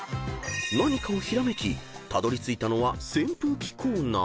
［何かをひらめきたどりついたのは扇風機コーナー］